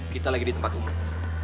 kita lagi di tempat umum